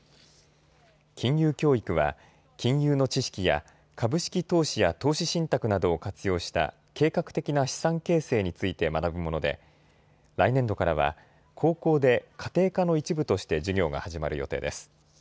金融教育は金融の知識や株式投資や投資信託などを活用した計画的な資産形成について学ぶもので来年度からは高校で家庭科の一部として授業が始まる予定です。